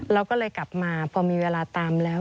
เราก็เลยกลับมาพอมีเวลาตามแล้ว